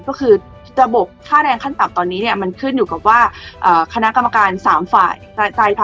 ก็คือระบบค่าแรงขั้นต่ำตอนนี้เนี่ยมันขึ้นอยู่กับว่าคณะกรรมการ๓ฝ่าย